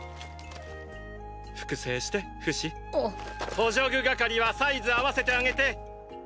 補助具係はサイズ合わせてあげて！